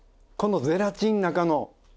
このゼラチン中の。